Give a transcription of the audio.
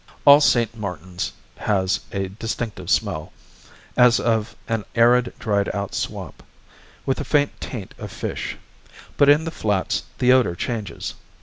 All St. Martin's has a distinctive smell, as of an arid dried out swamp, with a faint taint of fish. But in the Flats the odor changes.